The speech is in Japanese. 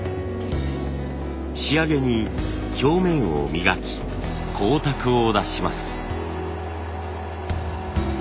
仕上げに表面を磨き光沢を出します。